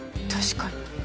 確かに。